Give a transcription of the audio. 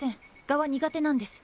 ガは苦手なんです。